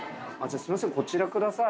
すいませんこちらください。